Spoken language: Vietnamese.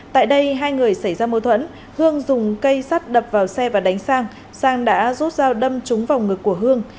tại đây hai người xảy ra mối thuẫn hương dùng cây sắt đập vào xe và đánh sang sang đã rút rao đâm trúng vòng ngực của hương